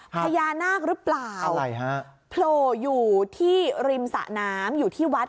พญานาคหรือเปล่าโผล่อยู่ที่ริมสะน้ำอยู่ที่วัด